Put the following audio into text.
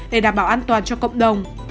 để đảm bảo an toàn cho cộng đồng